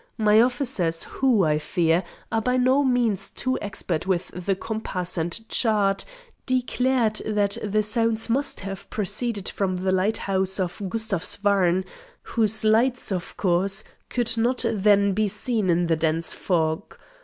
My officers, who, I fear, are by no means too expert with the compass and chart, declared that the sounds must have proceeded from the lighthouse of Gustavsvarn, whose lights, of course, could not then be seen in the dense fog.